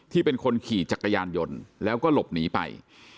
เป็นคนขี่จักรยานยนต์แล้วก็หลบหนีไป